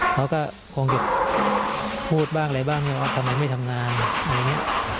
เขาก็คงหยุดพูดบ้างอะไรบ้างเนี้ยว่าทำไมไม่ทำงานอะไรเงี้ย